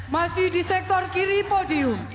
masih di sektor kiri podium